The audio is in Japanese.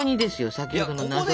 先ほどの謎な。